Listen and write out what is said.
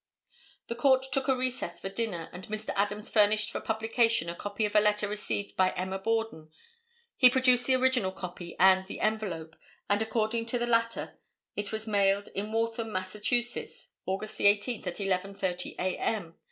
The court then took a recess for dinner and Mr. Adams furnished for publication a copy of a letter received by Emma Borden. He produced the original copy and the envelope, and according to the latter it was mailed in Waltham, Mass., August 18, at 11:30 a. m.